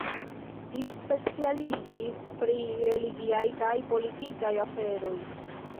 Li specialiĝis pri religiaj kaj politikaj aferoj.